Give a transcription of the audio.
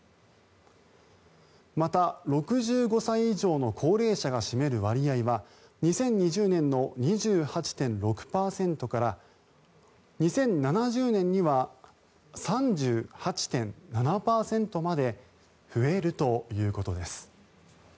また、６５歳以上の高齢者が占める割合は２０２０年の２８．６％から２０７０年には３８．７％まで増えるということです。